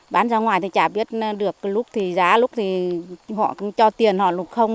bán ra ngoài thì chả biết được lúc thì giá lúc thì họ cũng cho tiền họ lục không